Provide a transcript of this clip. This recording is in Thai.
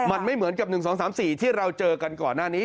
มันไม่เหมือนกับ๑๒๓๔ที่เราเจอกันก่อนหน้านี้